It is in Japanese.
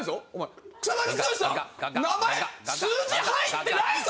名前数字入ってないぞ！